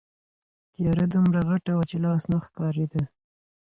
تیاره دومره غټه وه چې لاس نه ښکارېده.